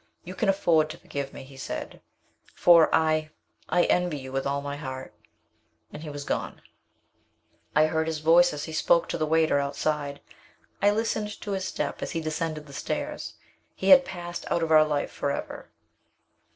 "You can afford to forgive me," he said, "for I I envy you with all my heart." And he was gone. I heard his voice as he spoke to the waiter outside. I listened to his step as he descended the stairs. He had passed out of our life forever.